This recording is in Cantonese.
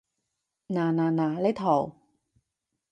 嗱嗱嗱，呢套